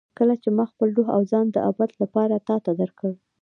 کله چې ما خپل روح او ځان د ابد لپاره تا ته درکړل.